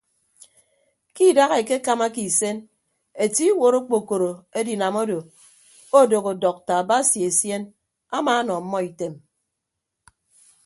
Ke idaha ekekamake isen etie iwuot okpokoro edinam odo odooho dọkta basi esien amaanọ ọmmọ item.